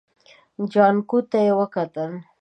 جانکو ته يې وکتل.